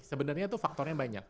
sebenarnya tuh faktornya banyak